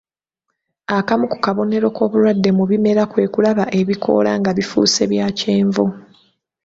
Akamu ku bubonero k'obulwadde mu bimera kwekulaba ebikoola nga bifuuse bya kyenvu.